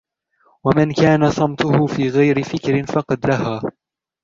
وَمَنْ كَانَ صَمْتُهُ فِي غَيْرِ فِكْرٍ فَقَدْ لَهَا